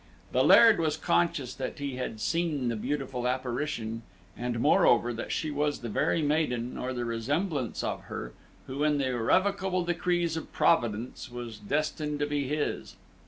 The Laird was conscious that he had seen the beautiful apparition, and, moreover, that she was the very maiden, or the resemblance of her, who, in the irrevocable decrees of Providence, was destined to be his.